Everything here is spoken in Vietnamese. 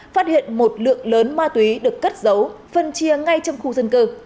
phát hiện một lượng lớn ma túy được cất giấu phân chia ngay trong khu dân cư